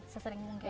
sesering mungkin ya